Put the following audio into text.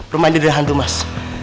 rumah ini udah hantu mas